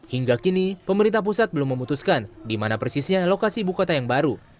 hingga kini pemerintah pusat belum memutuskan di mana persisnya lokasi ibu kota yang baru